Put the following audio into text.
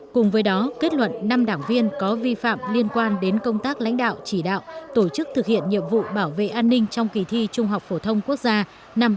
cùng với đó kết luận năm đảng viên có vi phạm liên quan đến công tác lãnh đạo chỉ đạo tổ chức thực hiện nhiệm vụ bảo vệ an ninh trong kỳ thi trung học phổ thông quốc gia năm hai nghìn một mươi tám